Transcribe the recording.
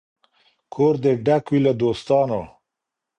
کور دي ډک وي له دوستانو